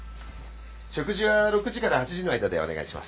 食事は６時から８時の間でお願いします。